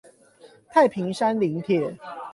太平山林鐵